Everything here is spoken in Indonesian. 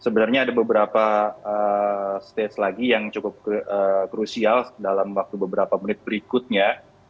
sebenarnya ada beberapa stage lagi yang cukup krusial dalam waktu beberapa menit berikutnya